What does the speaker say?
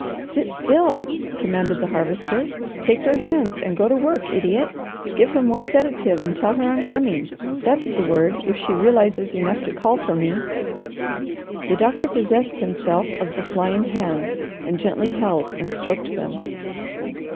"Sit still!" commanded the Harvester. "Take her hands and go to work, idiot! Give her more sedative, and tell her I'm coming. That's the word, if she realizes enough to call for me." The doctor possessed himself of the flying hands, and gently held and stroked them.